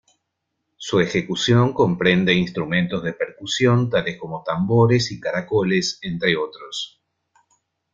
Su ejecución comprende instrumentos de percusión tales como tambores y caracoles, entre otros.